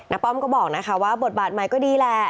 น้าป้อมก็บอกว่าบทบาทใหม่ก็ดีแหละ